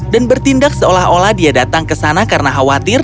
dan bertindak seolah olah dia datang ke sana karena khawatir